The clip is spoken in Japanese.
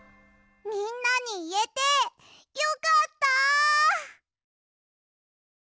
みんなにいえてよかった！